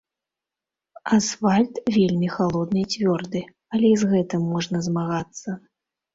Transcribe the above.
Асфальт вельмі халодны і цвёрды, але і з гэтым можна змагацца.